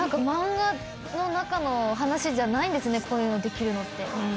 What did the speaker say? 漫画の中の話じゃないんですねこういうのできるのって。